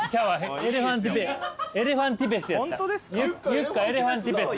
ユッカ・エレファンティペス。